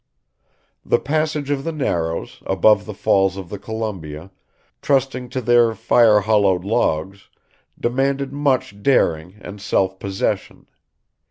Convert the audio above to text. The passage of the Narrows, above the Falls of the Columbia, trusting to their fire hollowed logs, demanded much daring and self possession.